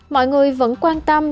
mọi người vẫn quan tâm